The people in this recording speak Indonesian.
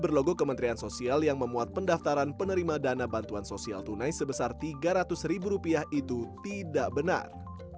berlogo kementerian sosial yang memuat pendaftaran penerima dana bantuan sosial tunai sebesar tiga ratus ribu rupiah itu tidak benar